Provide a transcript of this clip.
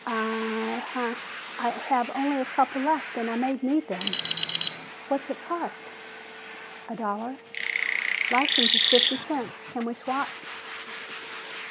"Uh uh. I have only a couple left and I may need them." "What's it cost?" "A dollar." "License is fifty cents. Can we swap?"